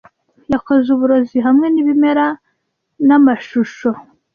Yakoze uburozi hamwe nibimera n'amashusho